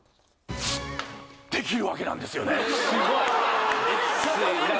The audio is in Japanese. できるわけなんですよね